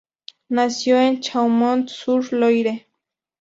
Nació en Chaumont-sur-Loire.